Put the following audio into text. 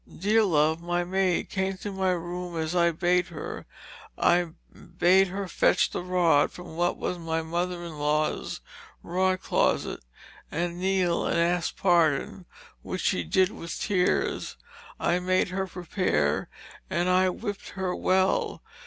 "Dearlove, my maid, came to my room as I bade her. I bade her fetch the rod from what was my mother in law's rod closet, and kneel and ask pardon, which she did with tears. I made her prepare, and I whipped her well.